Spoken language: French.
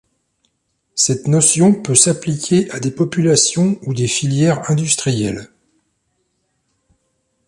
Cette notion peut s'appliquer à des populations ou des filières industrielles.